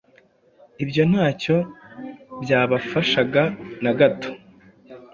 Ibyo ntacyo byabafashaga na gato